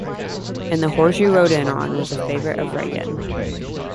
"And the horse you rode in on" was a favorite of Regan.